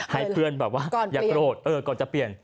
ให้เพื่อนแบบว่าอย่าโกรธก่อนจะเปลี่ยน